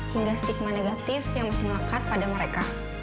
hingga stigma negatif yang masih melekat pada mereka